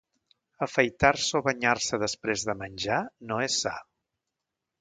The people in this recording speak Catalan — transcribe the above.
Afaitar-se o banyar-se després de menjar no és sa.